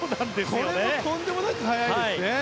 これもとんでもなく速い。